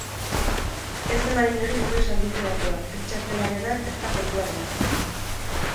Ez eman inori zure sarbide-datuak, ez txartelarenak, ezta kontuarenak ere.